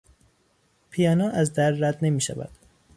پیانو از در رد نمیشود.